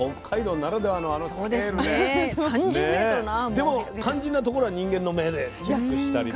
でも肝心なところは人間の目でチェックしたりとか。